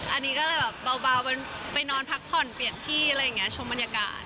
อันนี้เลยแบบเบาไปนอนพักผ่อนเปลี่ยนที่ชมบรรยากาศ